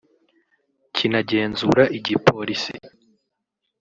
kinagenzura igipolisi